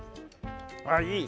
あっいい。